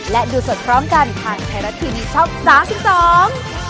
และดูสดพร้อมกันทางไทยรัตน์ทีวีช่อง๓๒